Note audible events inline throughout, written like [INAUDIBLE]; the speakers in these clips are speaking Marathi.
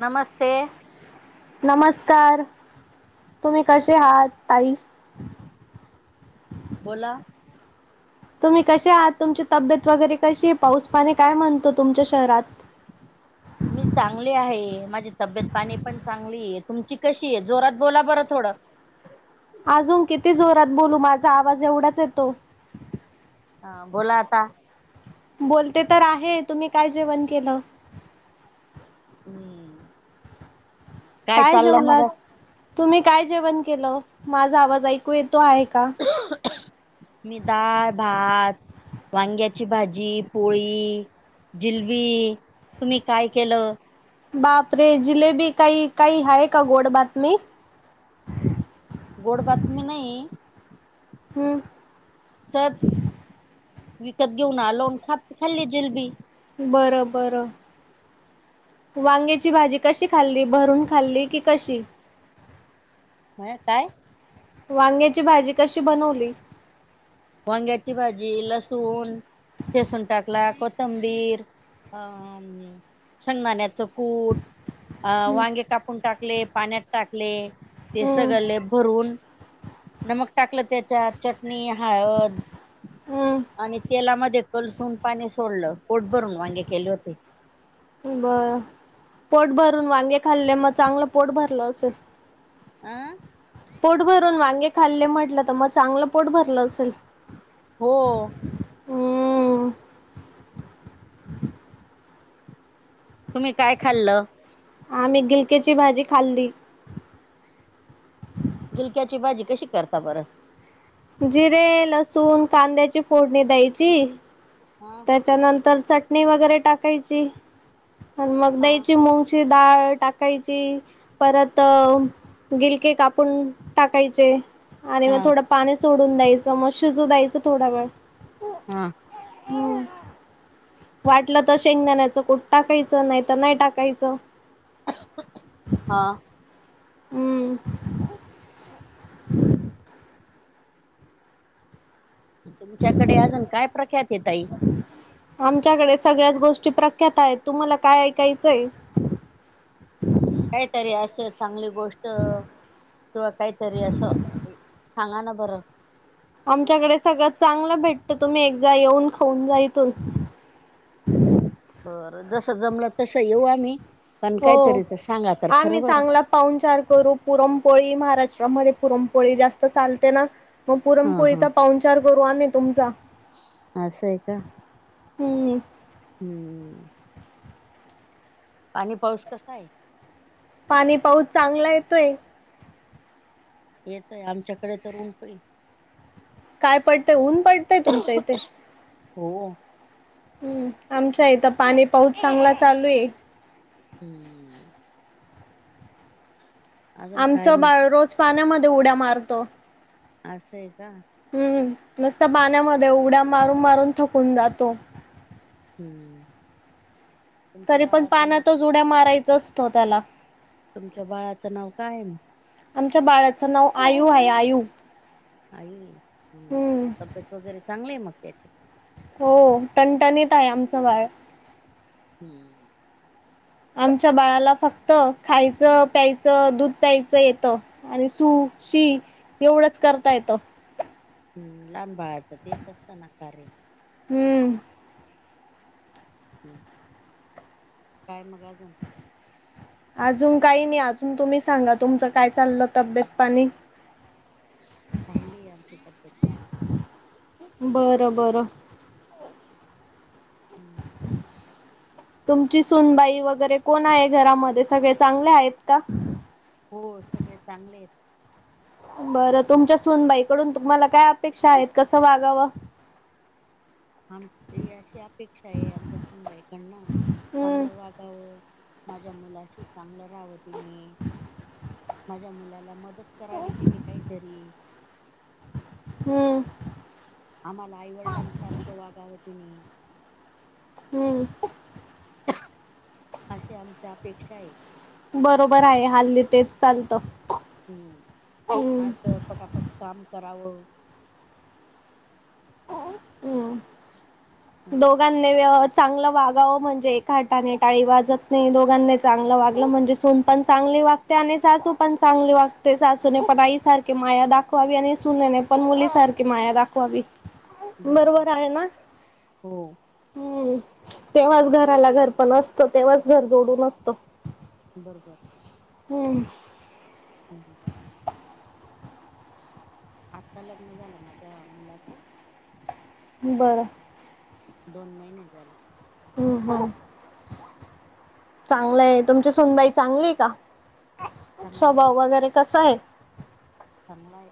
नमस्ते नमस्कार तुम्ही कसे आहात ताई बोला तुम्ही कसे आहात तुमची तब्येत वगैरे कशी पाऊस पानी काय म्हणतो तुमच्या शहरात [UNINTELLIGIBLE] मी चांगली आहे माझी तब्येत पाणी पण चांगली आहे तुमची कशी आहे जोरात बोला बरं थोडं अजून किती जोरात बोलू माझा आवाज एवढाच येतो हा बोला आता बोलते तर आहे तुम्ही काय जेवण केलं हम्म काय चाललं जेवलात मग तुम्ही काय जेवण केलं माझा आवाज ऐकू येतो आहे का? [UNINTELLIGIBLE] मी डाळ, भात वांग्याची भाजी, पोळी जिलबी तुम्ही काय केलं बापरे जिलेबी काही, काही आहे का गोड बातमी गोड बातमी नाही हम सहज विकत घेऊन आलो खाल्ली जिलबी बरं, बरं वांग्याची भाजी कशी खाल्ली भरून खाल्ली की कशी म्हया काय वांग्याची भाजी कशी बनवली? वांग्याची भाजी लसूण लसून टाकला कोथंबीर अ शेंगदाण्याचं कूट अं वांगे कापून टाकले पाण्यात टाकले ते हं, सगळंलेप भरून नमक टाकलं त्याच्या चटणी हळद हं. आणि तेलामध्ये कलसून पाणी सोडलं पोट भरून वांगे केले होते बरं पोट भरून वांगे खाल्ले मग चांगलं पोट भरलं असेल आं पोट भरून वांगे खाल्ले म्हटलं तर मग चांगलं पोट भरलं असेल हो हम्म. तुम्ही काय खाल्लं? आम्ही गिलकेची भाजी खाल्ली झुलक्याची भाजी कशी करता बरं? जिरे लसूण कांद्याची फोडणी द्यायची. हा त्याच्यानंतर चटणी वगैरे टाकायची आणि मग हा द्यायची [UNINTELLIGIBLE] ती डाळ टाकायची परत. गिलके कापून टाकायचे. आणि हा मग थोडं पाणी सोडून द्यायचं मग शिजू द्यायचं थोडा वेळ. हा हम्म वाटलं तर शेंगदाण्याचं कुट टाकायचं नाही तर नाही टाकायचं. हा हम्म तुमच्याकडे अजून काय प्रख्यात हे ताई? आमच्याकडे सगळ्याच गोष्टी प्रख्यात आहेत तुम्हाला काय ऐकायचंय? काहीतरी असं चांगली गोष्ट किंवा काहीतरी असं. सांगा ना बरं. आमच्याकडे सगळं चांगलं भेटत तुम्ही एकदा येऊन खाऊन जा इथून. बरं जस जमलं तस येऊ आम्ही पण हो. काहीतरी ते सांगा तर खर आम्ही बर. चांगला पाहुणचार करू पुरमपोळी महाराष्ट्रामध्ये पुरमपोळी जास्त चालते ना. मग हा हा पुरनपोळीचा पाऊनचार करू आम्ही तुमचा. असं आहे का हम्म हम्म पाणी पाऊस कसा आहे? पाणी पाऊस चांगला येतोय. येतय आमच्याकडे तर ऊन पइ काय पडतंय ऊन पडतय तुमच्या इथे? हो. हम्म आमच्या इथं पाणी पाऊस चांगला चालू आहे. हम्म अजून काय आमचं मग बाळ रोज पाण्यामध्ये उड्या मारतो. असं आहे का. हम्म नुसतं पाण्यामध्ये उड्या मारून मारून थकून जातो. हम्म तुमच्या तरी पण बाळाचं नाव पाण्यातच उड्या मारायचा असतो त्याला. तुमच्या बाळाचं नाव काय आहे मग? आमच्या बाळाचं नाव आयू आहे आयू. आयु आहे हम्म तब्येत वगैरे चांगली आहे मग त्याची. हो टनटणीत आहे आमचं बाळ. हम्म आमच्या बाळाला फक्त खायचं प्यायचं दूध प्यायचं येतं. आणि सू शी एवढंच करता येतं. हम्म लहान बाळाचं तेच असत ना कार्य. हम्म हम्म काय मग अजून? अजून काही नाही अजून तुम्ही सांगा तुमचं काय चाललं तब्येत पाणी. [INAUDIBLE] चांगलीये आमची तब्बेत पाणी. बरं बरं. हम्म. [INAUDIBLE] तुमची सुनबाई वगैरे कोण आहे घरामध्ये? सगळे चांगले आहेत का? हो सगळे चांगलेयेत. बरं तुमच्या सूनबाईकडून तुम्हाला काय अपेक्षा आहेत? कसं वागावं? आमची अशी अपेक्षाय आमच्या सुनबाईकडन. हम्म चांगलं वागावं, माझ्या मुलाशी चांगलं रहावं तिने. माझ्या मुलाला मदत करावी तीने काहीतरी. हम्म. आम्हाला आईवडिलांसारखं वागावं तिने हम्म. अशी आमच्या अपेक्षाय. बरोबर आहे. हल्ली तेच चालतं. हम्म. हम्म असं पटापट काम करावं. अ. हं, दघांनी वेवा- चांगलं वागावं. म्हणजे एका हटाने टाळी वाजत नाही. दोघांनी चांगलं वागलं म्हणजे, सून पण चांगली वाग ते. आणि सासू पण चांगली वागते. सासूणे पण आईसारखी माया दाखवावी. आणि सुनेने पण मुलीसारखी माया दाखवावी. बरोबर आहे ना? हो. हम्म. तेव्हाच घराला घर पण असतं. तेव्हाच घर जोडून असतं. बरोबरं. हम्म. हम्म हम्म. आता लग्न झालं. माझ्या मुलाचं. बरं. दोन महिने झाले. हम्म हम्म. चांगलंय, तुमची सुनबाई चांगलीय का? चांगले आहे स्वभाव वगैरे कसाय? चांगलाय.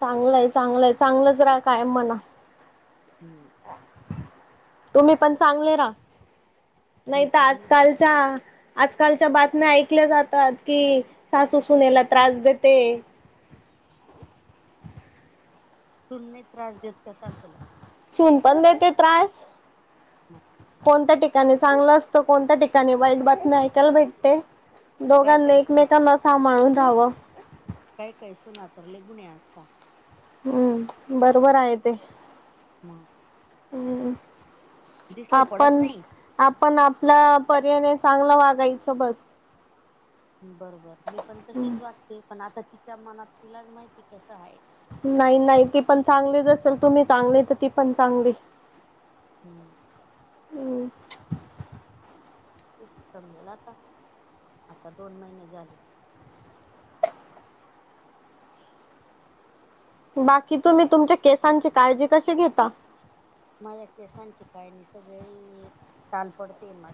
चांगलंय, चांगलंय, चांगलंच राहा कायम म्हणा. हम्म. तुम्ही पण चांगले रहा. नाही मी त चांगली तर आजकालच्या आजकालच्या बातम्या ऐकल्या जातात की, सासू सुनेला त्रास देते. सून नाही त्रास देत का सासू ला? सून पण देते त्रास. मग? कोणत्या ठिकाणी चांगलं असतं. कोणत्या ठिकाणी वाईट बातमी ऐकायला भेटते. काय दोघांनी काय सुन एकमेकांना सांभाळून रहावं. काही काही सुना तर लई गुणी असता. हम्म. बरोबर आहे ते. म. हम्म, दिसले पडत आपण नाही. आपण, आपल्या परीने चांगलं वागायचं बस. बरोबर, मी पण हम्म तशीच वागते, पण आता तिच्या मनात तिलाच माहिती कसं आहे. नाही, नाही ती पण चांगलीच असल, तुम्ही चांगल तर ती पण चांगली. हम्म. हम्म तेच समजल आता, आता दोन महिने झाले. बाकी तुम्ही, तुमच्या केसांची काळजी कशी घेता? माझ्या केसांची, काय नही सगळी टाल पडते मा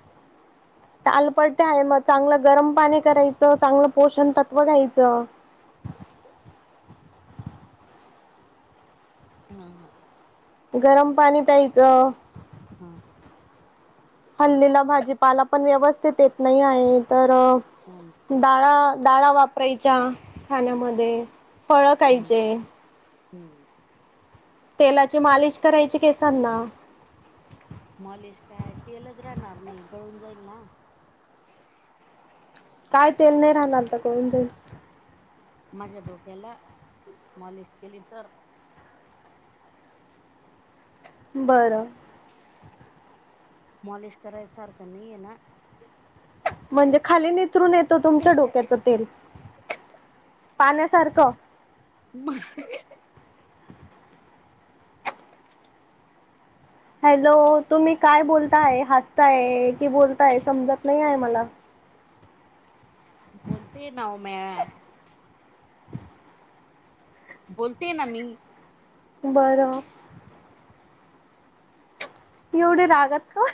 टालपडते म्हणेज मग चांगलं गरम पाणी करायचं, चांगलं पोषण तत्त्व घ्यायचं. हां हं. गरम पाणी प्यायचं. हां. हल्लीना भाजीपाला पण व्यवस्थित येत नही आहे तर हो न. डाळा-डाळा वापरायच्या खाण्यामध्ये, फळ खायचे. हम्. तेलाची मालिश करायची केसांना. मालिश काय, तेलच राहणार नही, गळून जाईल ना. काय तेल नही राहणार तर गळून जाईल? माझ्या डोक्याला, मॉलिश केली तर. बरं. मॉलिश कराय सारखं नहीये ना. म्हणजे खाली नितरून येतो तुमच्या डोक्याचं तेल, पाण्यासारखं? म [INAUDIBLE] हॅलो, तुम्ही काय बोलताय? हसताय की बोलताय समजत नाही आहे मला. बोलते ये नाव मॅ बोलते ना मी. बरं. एवडे रागात का?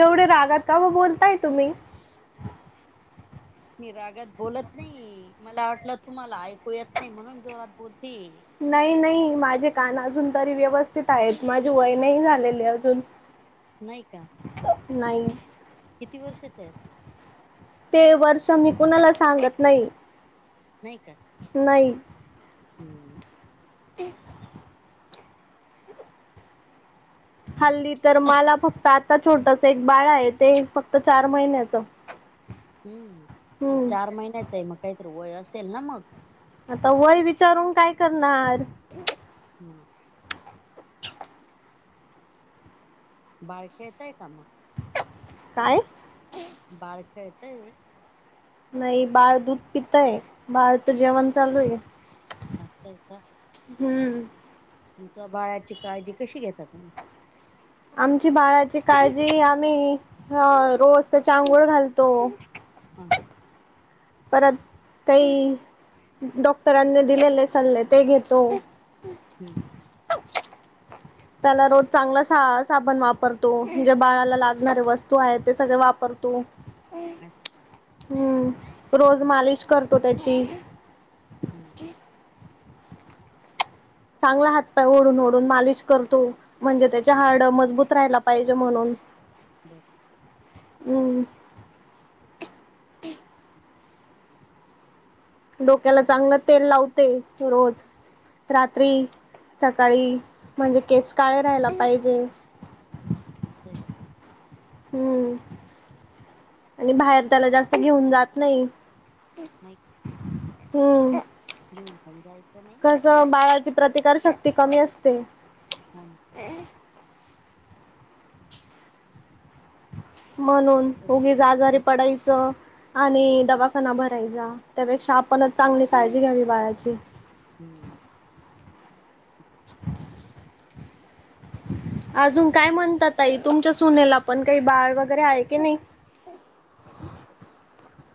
एवडे रागात का ब-बोलताय तुम्ही? मी रागत बोलत नही, मला वाटलं तुम्हाला ऐकू येत नही, म्हणून जोरात बोलते. नही नही माझे कान अजून तरी व्यवस्थित आहेत, माझे वय नही झालेले अजून. [INAUDIBLE] नाही का? नाही. किती वर्षाच्या यत? ते वर्ष मी कुणाला सांगत नाही. नाही का? नही. हम्म. [UNINTELLIGIBLE] हल्ली तर माला फक्त आता छोटस एक बाळ आहे, ते फक्त चार महिन्याच. ह [UNINTELLIGIBLE] हम्, मग चार महिन्याच य, मग काहीतरी वय असेल ना मग? आता वय विचारून, काय करणार? मग. बाळ खेळतय का मग? काय? बाळ खेळेतय नाही बाळ दूध पितय, बाळचं जेवण चालू आहे. नस्तय का? हम्म तुमचं बाळची काळजी कशी घेतात तुम्ही? आमची बाळाची काळजी, आम्ही अ रोज त्याच्या आंघोळ घालतो. हा परत काही डॉक्टरांनी दिलेले सल्ले ते घेतो. हम्म त्याला रोज चांगला सा साबण वापरतो, म्हणजे बाळाला लागणारे वस्तू आहेत ते सगळे वापरतो. अच्छा, हम्म, रोज हम्म मालिश करतो त्याची. हम्म. चांगला हात पाय ओढून -ओढून मालिश करतो, म्हणजे त्याचे हाड मजबूत राहायला पाहिजे म्हणून बरं हम्म डोक्याला चांगलं तेल लावते, रोज. रात्री, सकाळी म्हणजे केस काळे राहायला पाहिजे. ते हम्म आणि बाहेर त्याला जास्त घेऊन जात नाही. नाही. हम्म येऊ पण जायचा नाही कसं बाळाची प्रतिकार शक्ती कमी असते. हो ना म्हणून तेच ते. उगीचआजारी पडायचं. आणि दवाखाना भरायचा, त्यापेक्षा आपणच चांगली काळजी घ्यावी बाळाची. हम्म [UNINTELLIGIBLE] [INAUDIBLE] अजून काय म्हणता ताई, तुमच्या सुनेला पण काही बाळ वगैरे आहे की नाही?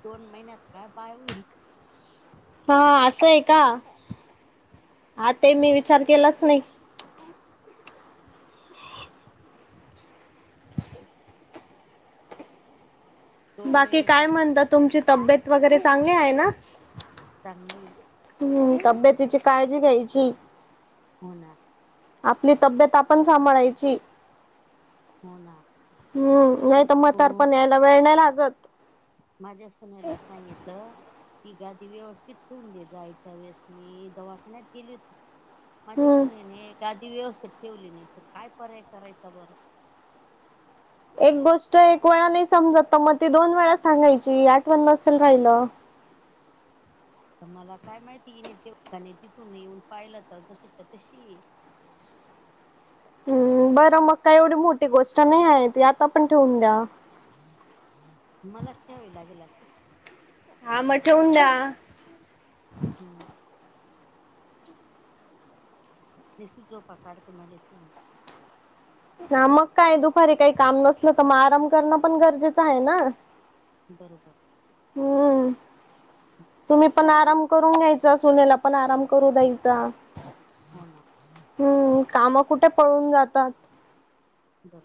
दोन महिन्यात काय बाळ होईल. हा असं आहे का, हा ते मी विचार केलाच नायं. [UNINTELLIGIBLE] [INAUDIBLE] दोन बाकी महिने काय झाले म्हणता, माझ्या तुमची तब्येत वगैरे चांगली आहे ना? चांगलीये. हम्म तब्येतीची काळजी घ्यायची. हो ना. आपली तब्येत आपण सांभाळायची. हो ना. हम्म नाही माझी तर, म्हातार सून पण यायला वेळ नाही लागत. माझ्या सुनेला सांगितल, तिला अगदी व्यवस्थित ठेऊन जायच्या वेळेस ती, जवा दवाखान्यात गेली होती. माझ्या हम्म. सुनेने गादी व्यवस्थित ठेवली नाही, तरकाय पर्याय करायचा बरं. एक गोष्ट एक वेळा नाही समजत, मग ती दोन वेळा सांगायची, आठवणं वेळा नसेल राहिलं. मला काय माहिती? हिने ठेवताणे ती, तुमी येऊन पाहिल तर तशी तशी.. हम् बर मग काही एवढी, मोठी गोष्ट नाही आहे ती, आता पण ठेवून द्या. मला च ठेवावी लागेल आत्ता. हा म ठेवून द्या. हम्म [INAUDIBLE] निसती झोपा काढते. माझी सून. ह मग काय दुपारी काही काम नसल तर, म आराम करण पण गरजेच आहे ना. बरोबर हम्म तुम्ही, पण आराम करून घ्यायचा, सुनेला पण आराम करू द्यायचा. हो ना. हम्म. काम कुठे पळून जातात. बर,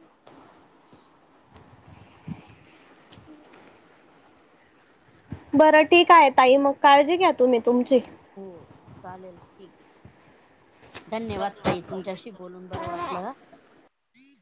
बर ठीक आहे ताई, मग काळजी घ्या तुम्ही तुमची. हो, चालेल, ठीक आहे. धन्यवाद ताई. तुमच्याशी बोलून बर वाटल ह.